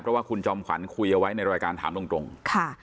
เพราะว่าคุณจอมขวัญคุยเอาไว้ในรายการถามตรงตรงค่ะ